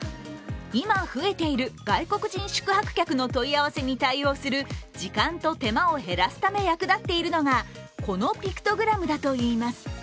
今増えている外国人宿泊客の問い合わせに対応する時間と手間を減らすため役立っているのがこのピクトグラムだといいます。